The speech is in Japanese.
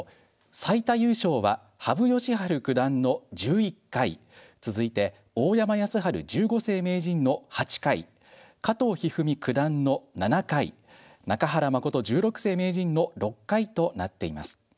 最多優勝は羽生善治九段の１１回続いて大山康晴十五世名人の８回加藤一二三九段の７回中原誠十六世名人の６回となっています。